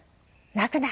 「泣くな！